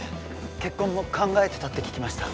結婚も考えてたって聞きました